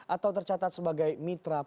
atau tercatat sebagai mitra